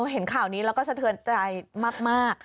เห็นข่าวนี้แล้วก็สะเทือนใจมาก